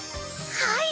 はい！